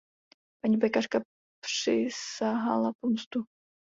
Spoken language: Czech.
Paní pekařka přisahala pomstu.